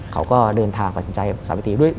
เขาก็เดินทางประจำใจสาเหตุภิปฏิษฐี